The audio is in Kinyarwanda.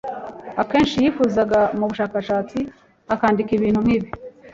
Akenshi yifunga mu bushakashatsi akandika ibintu nkibi.